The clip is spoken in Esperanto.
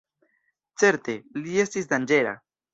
Certe, li estis danĝera.